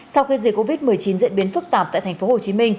sau khi dịch covid một mươi chín diễn biến phức tạp tại tp hcm